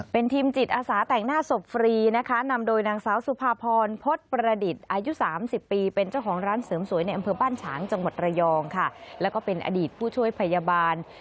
เป็นทีมจิตอาสาแต่งหน้าศพฟรีนะคะ